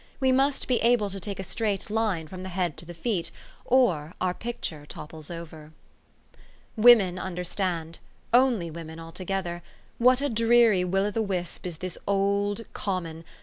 We must be able to take a straight line from the head to the feet, or our picture topples over. Women understand only women altogether what a dreary will o the wisp is this old, common, THE STORY OF AVIS.